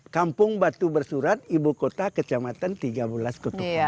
kampung batu bersurat ibu kota kecamatan tiga belas kutukan